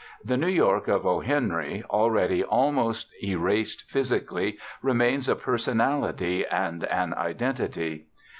The New York of O. Henry, already almost erased physically, remains a personality and an identity.